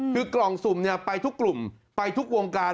คือกล่องสุ่มไปทุกกลุ่มไปทุกวงการ